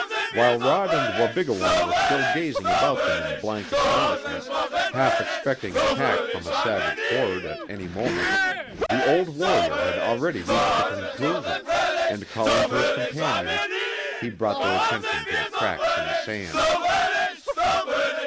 While Rod and Wabigoon were still gazing about them in blank astonishment, half expecting attack from a savage horde at any moment, the old warrior had already reached a conclusion, and calling to his companions he brought their attention to the tracks in the sand.